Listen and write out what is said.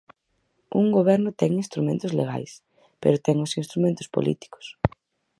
Un goberno ten instrumentos legais, pero ten os instrumentos políticos.